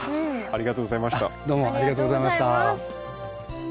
ありがとうございます。